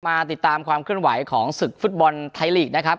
มาติดตามความเคลื่อนไหวของศึกฟุตบอลไทยลีกนะครับ